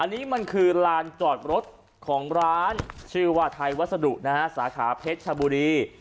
อันนี้มันคือลานจอดรถของร้านชื่อว่าไทยวัสดุนะฮะสาขาเพชรชบุรี